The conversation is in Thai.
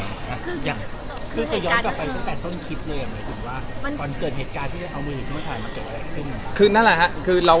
มีเหตุการณ์รึเปล่า